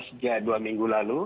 sejak dua minggu lalu